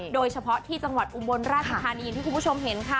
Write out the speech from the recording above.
โดยเฉพาะที่จังหวัดอุบลราชธานีอย่างที่คุณผู้ชมเห็นค่ะ